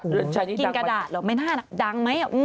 กินกระดาษเหรอไม่น่าน่ะดังไหม